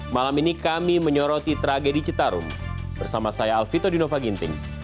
malam ini kami menyoroti tragedi citarum bersama saya alvito dinova gintings